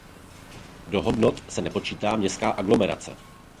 Do hodnot se nepočítá městská aglomerace.